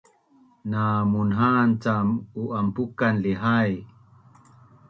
Namunha’an cam u’anpukan lihai